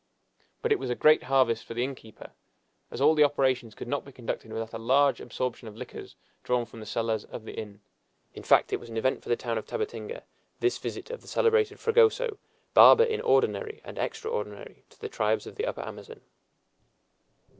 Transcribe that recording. But it was a great harvest for the innkeeper, as all the operations could not be conducted without a large absorption of liquors drawn from the cellars of the inn. In fact, it was an event for the town of Tabatinga, this visit of the celebrated Fragoso, barber in ordinary and extraordinary to the tribes of the Upper Amazon!